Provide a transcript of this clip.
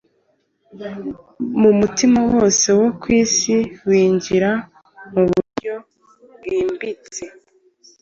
Mu mutima wose wo ku isi winjira mu buryo bwimbitse